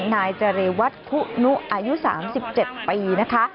นายจรวรรษผู้หนุอายุ๓๗ปีนะคะ